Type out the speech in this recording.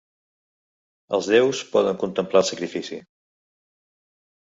Els déus poden contemplar el sacrifici.